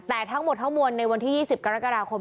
แต่ทั้งหมดทั้งมวลในวันที่๒๐กรกฎาคม